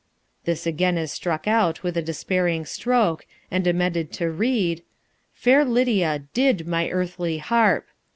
This again is struck out with a despairing stroke, and amended to read: "Fair Lydia, DID my earthly harp."